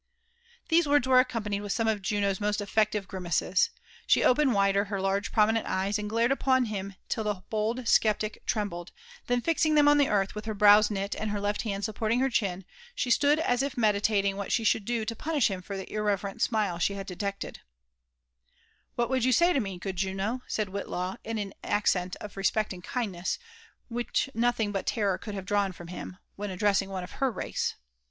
These werdsi were aeconpanled with some of Jfnno^a most efifeetim^ griknaeea* She eipened wide her large pt ominent eye», and glared upos Una till the bold sceptic trembled; then fixing them on the earth, with her brows knit and her left hand supporting her chin, she stood a# if meditating what she should do to pnnish hvan for the irrererenl smile aba had detected* '^ What would ytra say t» ne, good Junof saM Whitlaw, hi an aeeent of respect and kindneas, which nothing but terror could bate diawK from him, when addressing e«e of her rttee.